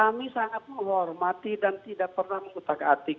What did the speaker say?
kami sangat menghormati dan tidak pernah mengutak atik